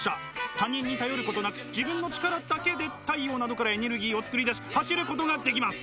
他人に頼ることなく自分の力だけで太陽などからエネルギーを作り出し走ることができます。